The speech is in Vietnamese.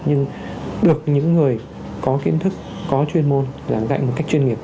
nhưng được những người có kiến thức có chuyên môn giảng dạy một cách chuyên nghiệp